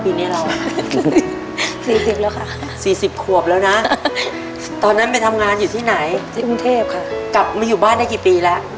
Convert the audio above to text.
ปีนี้เราสี่สิบแล้วค่ะสี่สิบขวบแล้วน่ะตอนนั้นไปทำงานอยู่ที่ไหนจริงเทพค่ะกลับมาอยู่บ้านได้กี่ปีแล้ว